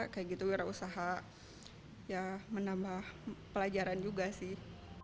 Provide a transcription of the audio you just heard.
kayak gitu wira usaha ya menambah pelajaran juga sih